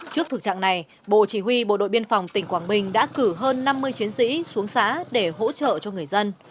trước thực trạng này bộ chỉ huy bộ đội biên phòng tỉnh quảng bình đã cử hơn năm mươi chiến sĩ xuống xã để hỗ trợ cho người dân